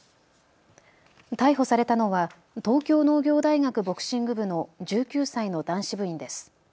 逮捕されたのは東京農業大学ボクシング部の１９歳の男子部員です。